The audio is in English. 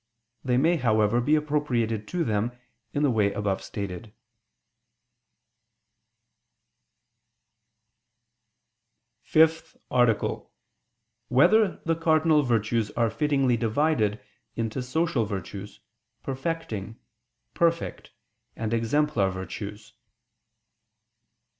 They may, however, be appropriated to them, in the way above stated. ________________________ FIFTH ARTICLE [I II, Q. 61, Art. 5] Whether the Cardinal Virtues Are Fittingly Divided into Social Virtues, Perfecting, Perfect, and Exemplar Virtues?